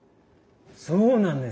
そうなんです。